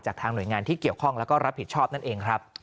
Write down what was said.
ทางหน่วยงานที่เกี่ยวข้องแล้วก็รับผิดชอบนั่นเองครับ